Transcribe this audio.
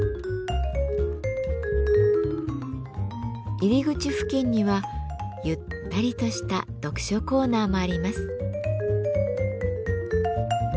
入り口付近にはゆったりとした読書コーナーもあります。